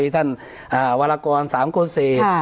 ท่านวรากรสามโกลเซท